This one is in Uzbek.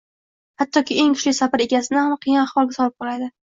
hattoki eng kuchli sabr egasini ham qiyin ahvolga solib qo‘yadi.